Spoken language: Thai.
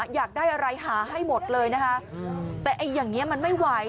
อยากได้อะไรหาให้หมดเลยนะคะแต่ไอ้อย่างนี้มันไม่ไหว